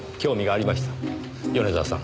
米沢さん。